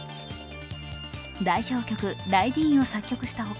代表曲「ライディーン」を作曲したほか